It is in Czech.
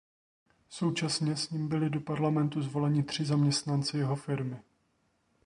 Současně s ním byli do parlamentu zvoleni tři zaměstnanci jeho firmy.